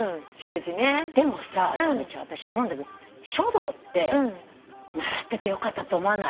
でもさ直美ちゃん私思うんだけど書道って習っててよかったと思わない？